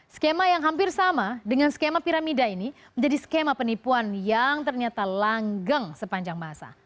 skema yang hampir sama dengan skema piramida ini menjadi skema penipuan yang ternyata langgeng sepanjang masa